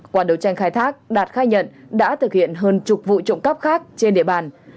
qua đấu tranh khai thác đạt khai nhận đã thực hiện hơn chục vụ trộm cắp khác trên địa bàn